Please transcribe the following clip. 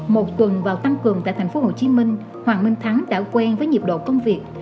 một tuần vào tăng cường tại thành phố hồ chí minh hoàng minh thắng đã quen với nhiệm độ công việc